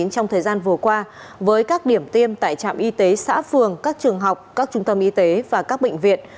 trong thời gian vừa qua với các điểm tiêm tại trạm y tế xã phường các trường học các trung tâm y tế và các bệnh viện